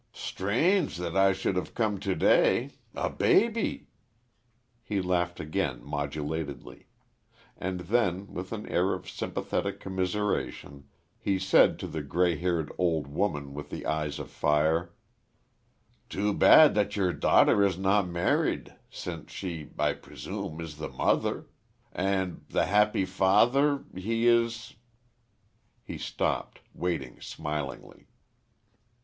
"Strange that I should have come to day.... A baby!" He laughed again, modulatedly. And then, with an air of sympathetic commiseration he said to the gray haired old woman with the eyes of fire: "Too bad that your daughter is not married since she, I presume, is the mother! ... And the happy father? he is ?" He stopped, waiting, smilingly.